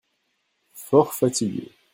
Fort fatigué.